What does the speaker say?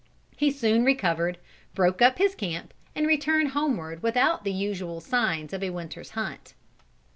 He soon recovered, broke up his camp, and returned homeward without the usual signs of a winter's hunt."